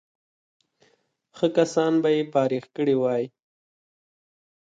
ښه کسان به یې فارغ کړي وای.